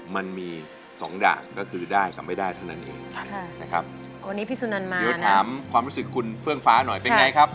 มันมี๒ดักก็คือได้กับไม่ได้เท่านั้นเองนะครับ